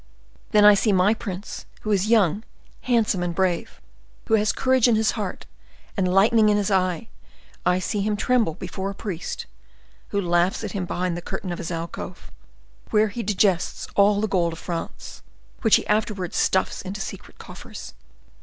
Then I see my prince, who is young, handsome and brave, who has courage in his heart and lightening in his eye,—I see him tremble before a priest, who laughs at him behind the curtain of his alcove, where he digests all the gold of France, which he afterwards stuffs into secret coffers.